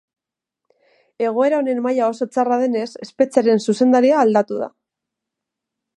Egoera honen maila oso txarra denez espetxearen zuzendaria aldatu da.